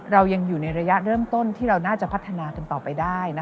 เรายังอยู่ในระยะเริ่มต้นที่เราน่าจะพัฒนากันต่อไปได้